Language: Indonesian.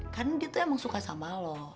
kan dia tuh emang suka sama lo